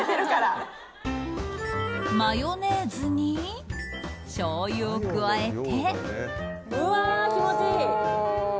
マヨネーズにしょうゆを加えて。